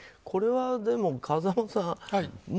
これはでも、風間さん。